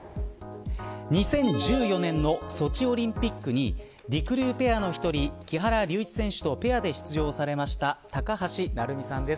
２０１４年のソチオリンピックにりくりゅうペアの１人木原龍一選手とペアで出場されました高橋成美さんです。